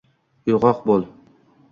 Uyg’ok bo’l